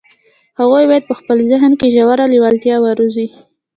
هغوی بايد په خپل ذهن کې ژوره لېوالتیا وروزي.